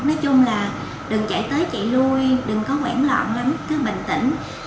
nói chung là đừng chạy tới chạy lui đừng có quảng lọng lắm cứ bình tĩnh